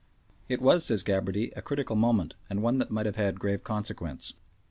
"It was," says Gabarty, "a critical moment, and one that might have had grave consequence."